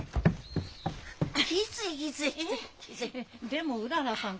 でもうららさん